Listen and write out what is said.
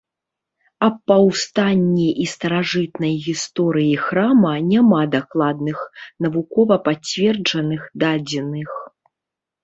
Аб паўстанні і старажытнай гісторыі храма няма дакладных, навукова пацверджаных дадзеных.